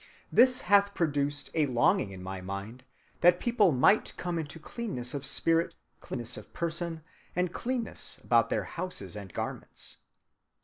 This hath produced a longing in my mind that people might come into cleanness of spirit, cleanness of person, and cleanness about their houses and garments.